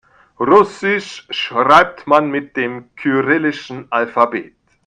Russisch schreibt man mit dem kyrillischen Alphabet.